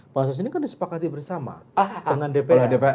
bangsa sini kan disepakati bersama dengan dpr